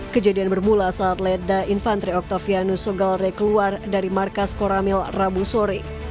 kejadian bermula saat letnan dua infanteri octavianus sogelere keluar dari markas koramil rabu sore